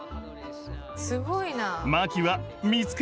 すごいな。